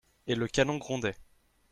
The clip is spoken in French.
Et le canon grondait.